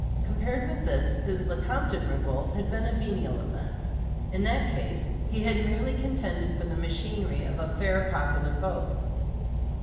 Compared with this his Lecompton revolt had been a venial offense. In that case he had merely contended for the machinery of a fair popular vote.